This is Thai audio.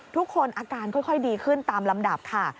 ทุกคนอาการค่อยดีขึ้นตามลำดับค่ะ